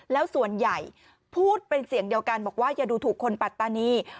แล้วส่วนใหญ่พูดเป็นเสียงเดียวกันบอกว่าอย่าดูถูกคนปัตตานี